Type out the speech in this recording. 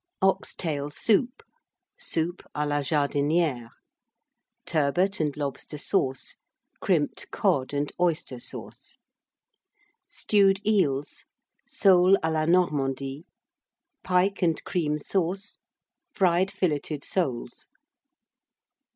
Ox tail Soup. Soup à la Jardinière. Turbot and Lobster Sauce. Crimped Cod and Oyster Sauce. Stewed Eels. Soles à la Normandie. Pike and Cream Sauce. Fried Filleted Soles.